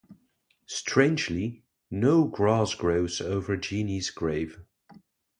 Strangely, no grass grows over Jeanie's grave.